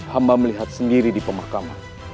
hamba melihat sendiri di pemakaman